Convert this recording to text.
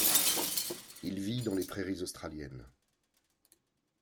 Il vit dans les prairies australiennes.